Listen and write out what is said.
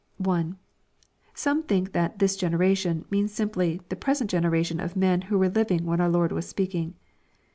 1. Some think that '* this generation,*' means simply " the pre sent generation of men who were living when our Lord was speak ing."